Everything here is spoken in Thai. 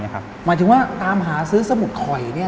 หมายถึงว่าตามหาซื้อสมุดข่อย